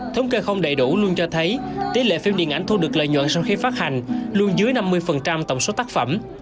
thống kê không đầy đủ luôn cho thấy tỷ lệ phim điện ảnh thu được lợi nhuận sau khi phát hành luôn dưới năm mươi tổng số tác phẩm